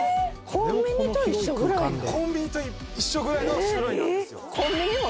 コンビニと一緒ぐらいの種類なんですよ。